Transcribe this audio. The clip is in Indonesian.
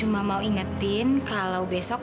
bahwa setelah hari ini